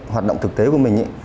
hoạt động thực tế của mình